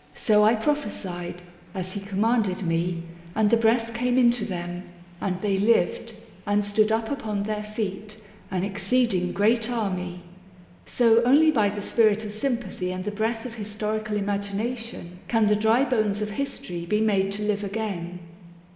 ... So I prophesied, as he MAGNA CARTA (1215 1915) 15 commanded me, and the breath came into them, and they lived, and stood up upon their feet, an exceed ing great army." So only by the spirit of sympathy and the breath of historical imagination can the dry bones of history be made to live again.